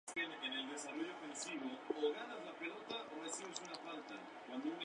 Oxford es la sede de la Universidad de Misisipi.